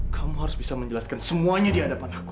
kamu harus bisa menjelaskan semuanya di hadapan aku